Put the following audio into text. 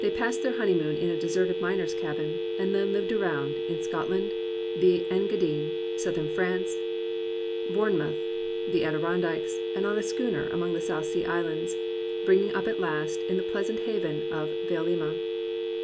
They passed their honeymoon in a deserted miner's cabin, and then Uved around, in Scotland, the Engadine, Southern France, Bourne mouth, the Adirondacks, and on a schooner among the South Sea Islands, bringing up at last in the pleasant haven of Vailima.